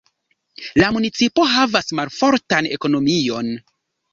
La municipo havas malfortan ekonomion.